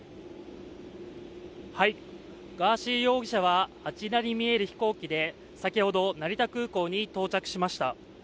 ガーシー容疑者はあちらに見える飛行機で先ほど成田空港に到着しました。